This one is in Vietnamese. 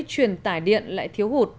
truyền tải điện lại thiếu hụt